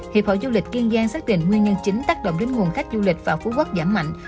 hiệp hội du lịch kiên giang xác định nguyên nhân chính tác động đến nguồn khách du lịch vào phú quốc giảm mạnh